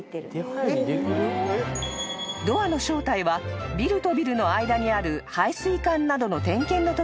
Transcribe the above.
［ドアの正体はビルとビルの間にある］